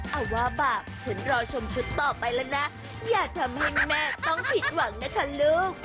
เอาว่าบาปฉันรอชมชุดต่อไปแล้วนะอย่าทำให้แม่ต้องผิดหวังนะคะลูก